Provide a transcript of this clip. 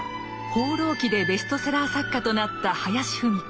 「放浪記」でベストセラー作家となった林芙美子。